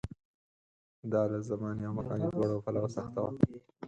دا له زماني او مکاني دواړو پلوه سخته وه.